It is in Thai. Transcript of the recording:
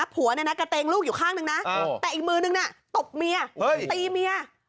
ผัวเนี่ยนะกระเตงลูกอยู่ข้างนึงนะแต่อีกมือนึงน่ะตบเมียตีเมีย